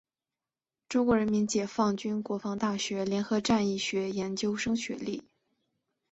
中国人民解放军国防大学联合战役学研究生学历。